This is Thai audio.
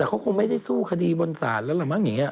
แต่เขาคงไม่ได้สู้คดีบนศาลแล้วล่ะมั้งอย่างนี้